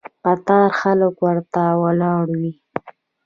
قطار خلک ورته ولاړ وي.